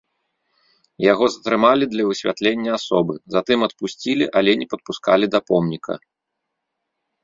Яго затрымалі для высвятлення асобы, затым адпусцілі, але не падпускалі да помніка.